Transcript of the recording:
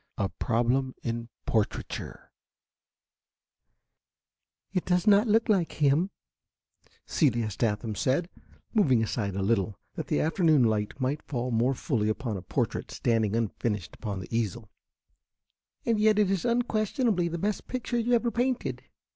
A PROBLEM IN PORTRAITURE I "It does not look like him," Celia Sathman said, moving aside a little that the afternoon light might fall more fully upon a portrait standing unfinished upon the easel; "and yet it is unquestionably the best picture you ever painted.